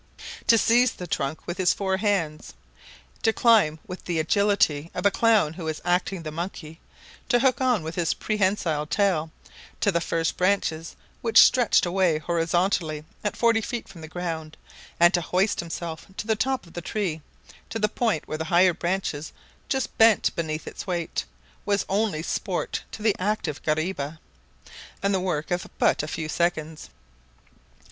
To seize the trunk with his four hands, to climb with the agility of a clown who is acting the monkey, to hook on with his prehensile tail to the first branches, which stretched away horizontally at forty feet from the ground, and to hoist himself to the top of the tree, to the point where the higher branches just bent beneath its weight, was only sport to the active guariba, and the work of but a few seconds.